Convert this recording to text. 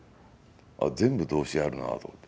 あ、全部、動詞あるなと思って。